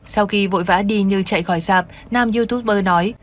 sau khi vội vã đi như chạy khỏi sạp nam youtuber nói